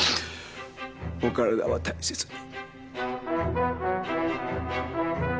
お体は大切に。